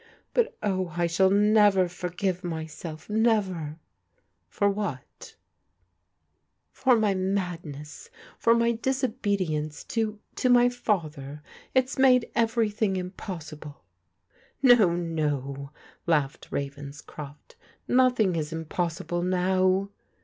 ^ But oh, I diall nercr toignt a^ysdf, ©ever. LOVE WINS OUT 881 * For my madness, for my disobedience to— to my fa ther. It's made everything impossible." "No, no," laughed Ravenscroft, "nothing is impos sible now."